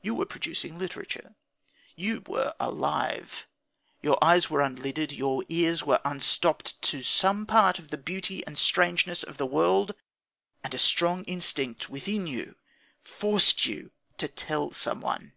You were producing literature. You were alive. Your eyes were unlidded, your ears were unstopped, to some part of the beauty and the strangeness of the world; and a strong instinct within you forced you to tell someone.